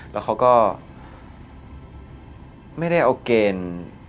แล้วเขาก็ไม่ได้เอาเกณฑ์